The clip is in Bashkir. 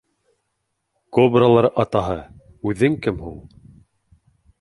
Кобралар Атаһы, үҙең кем һуң?